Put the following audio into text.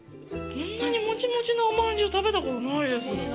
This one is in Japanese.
こんなにもちもちのおまんじゅう食べたことないです。